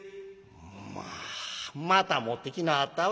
「まあまた持ってきなはったわ。